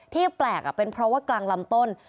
ที่แปลกเป็นเพราะว่ากลางลำต้น